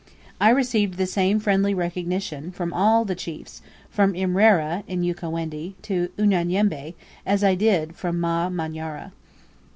I received the same friendly recognition from all the chiefs, from Imrera, in Ukawendi, to Unyanyembe, as I did from Mamanyara.